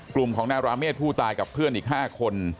กลุ่มของนายราเมฆผู้ตายกับเพื่อนอีก๕คน